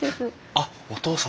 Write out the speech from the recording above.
あっお義父様！